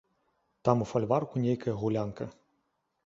Там у фальварку нейкая гулянка.